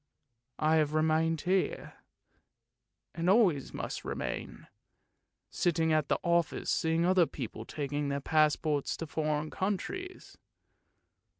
I have remained here, and always must remain, sitting at the office seeing other people taking their passports for foreign countries.